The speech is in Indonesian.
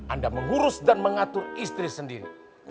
anda mengurus dan mengatur istri sendiri